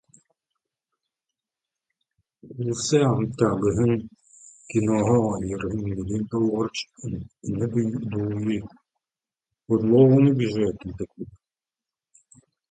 Melinda Lorge from "Taste of Country" described the song as "uplifting".